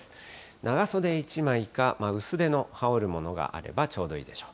長袖１枚か薄手の羽織るものがあればちょうどいいでしょう。